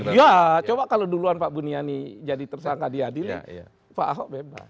iya coba kalau duluan pak bunyiani jadi tersangka diadil pak ahok bebas